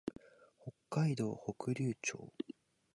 北海道北竜町